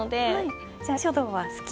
じゃあ書道は好き？